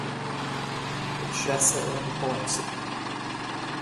Ag seasadh ar mo shláinte